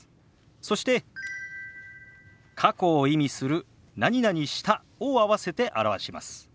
そして過去を意味する「した」を合わせて表します。